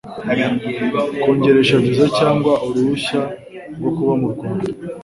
kongeresha viza cyangwa uruhushya rwo kuba mu rwanda